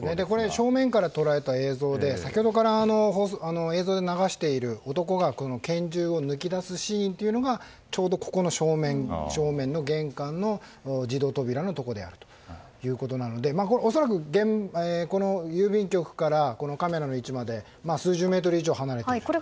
正面から捉えた映像で先ほどから映像を流している男が拳銃を抜き出すシーンというのがちょうど、ここの正面の玄関の自動扉のところなので恐らく、この郵便局からカメラの位置まで数十メートル以上離れている状況です。